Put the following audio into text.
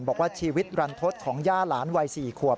บอกว่าชีวิตรันทศของย่าหลานวัย๔ขวบ